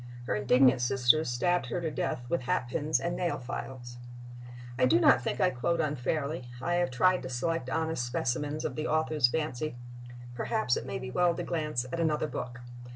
Her indignant sisters stabbed her to death with hatpins and nail files. I do not think I quote unfairly; I have tried to select honest specimens of the author's fancy.... Perhaps it may be well to glance at another book.